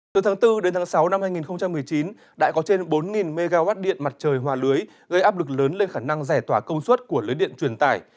từ tháng bốn đến tháng sáu năm hai nghìn một mươi chín đã có trên bốn mw điện mặt trời hòa lưới gây áp lực lớn lên khả năng giải tỏa công suất của lưới điện truyền tải